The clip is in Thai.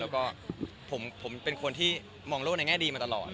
แล้วก็ผมเป็นคนที่มองโลกในแง่ดีมาตลอด